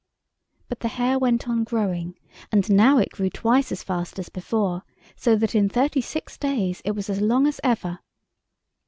But the hair went on growing, and now it grew twice as fast as before; so that in thirty six days it was as long as ever.